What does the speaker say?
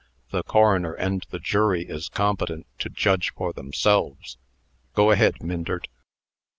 The coroner and the jury is competent to judge for themselves. Go ahead, Myndert."